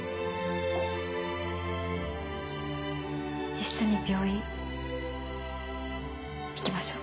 一緒に病院行きましょう。